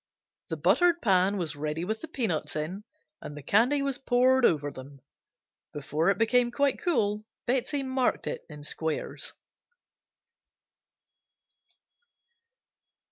The buttered pan was ready with the peanuts in and the candy was poured over them. Before it became quite cool Betsey marked it in squares.